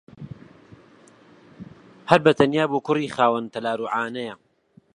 هەر بەتەنیا بۆ کوڕی خاوەن تەلار و عانەیە